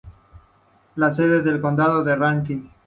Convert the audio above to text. Es sede del condado de Rankin.